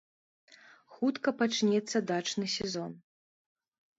Хутка пачнецца дачны сезон.